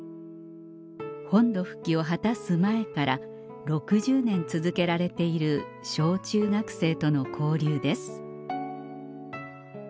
本土復帰を果たす前から６０年続けられている小中学生との交流です